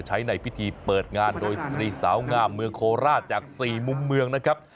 ใช้ในพิธีเปิดงานโดยสตรีสาวงามเมืองโคราชจาก๔มุมเมืองนะครับ